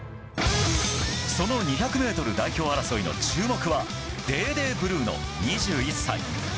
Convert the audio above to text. その２００ｍ代表争いの注目はデーデー・ブルーノ、２１歳。